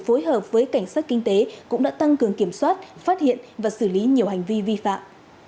phối hợp với cảnh sát kinh tế cũng đã tăng cường kiểm soát phát hiện và xử lý nhiều hành vi vi phạm